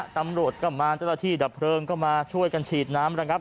ตำรวจก็มาเจ้าหน้าที่ดับเพลิงก็มาช่วยกันฉีดน้ำระงับ